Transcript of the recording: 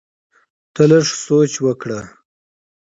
ته لږ سوچ وکړه!